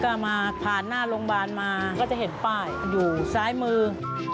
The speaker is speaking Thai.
ก็มาผ่านหน้าโรงพยาบาลมาก็จะเห็นป้ายอยู่ซ้ายมือ